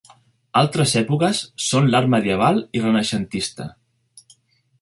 Altres èpoques són l'art medieval i renaixentista.